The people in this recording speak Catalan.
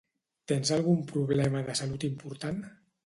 Tens algun problema de salut important?